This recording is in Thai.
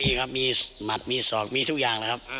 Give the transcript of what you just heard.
นี่ครับมีหมัดมีศอกมีทุกอย่างเลยครับ